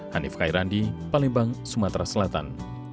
hanif kairandi palembang sumatera selatan